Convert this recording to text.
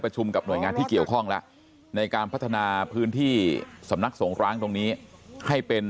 กับหน่วยงานที่เกี่ยวข้องแล้วในการพัฒนาพื้นที่สำนักสงร้างตรงนี้ให้เป็น